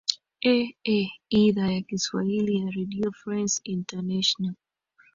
ee idhaa ya kiswahili ya redio france international